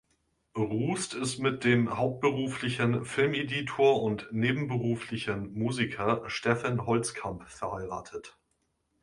Rust ist mit dem hauptberuflichen Filmeditor und nebenberuflichen Musiker Steffen Holzkamp verheiratet.